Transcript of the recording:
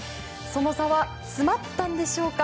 その差は詰まったんでしょうか？